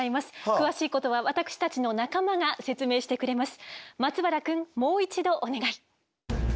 詳しいことは私たちの仲間が説明してくれます。